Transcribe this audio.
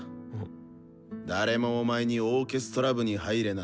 誰もお前にオーケストラ部に入れなんて言ってないぞ。